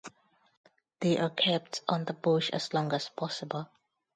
They are kept on the bush as long as possible.